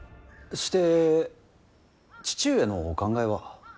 して父上のお考えは。